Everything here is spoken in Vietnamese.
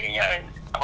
còn mấy người kia